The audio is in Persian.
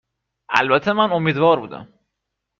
البته من امیدوار بودم